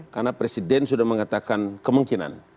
karena presiden sudah mengatakan kemungkinan